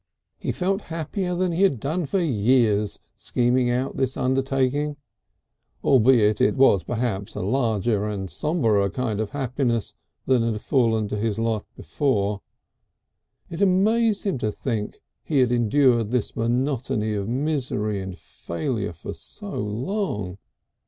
He felt happier than he had done for years scheming out this undertaking, albeit it was perhaps a larger and somberer kind of happiness than had fallen to his lot before. It amazed him to think he had endured his monotony of misery and failure for so long.